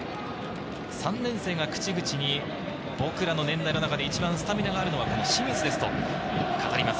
３年生が口々に僕らの年代の中で一番スタミナがあるのは清水ですと多く語ります。